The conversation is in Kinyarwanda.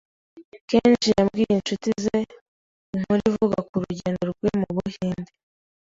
Kenji yabwiye inshuti ze inkuru ivuga ku rugendo rwe mu Buhinde.